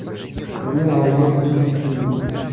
Bdiɣ ɛeyyuɣ seg uccetki-nnek.